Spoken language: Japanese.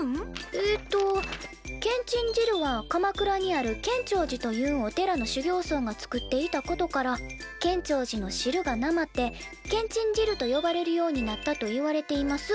えっと「けんちん汁は鎌倉にある建長寺というお寺の修行僧が作っていたことから『建長寺の汁』がなまって『けんちん汁』と呼ばれるようになったといわれています」